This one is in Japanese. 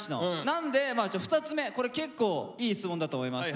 なんで２つ目これ結構いい質問だと思います。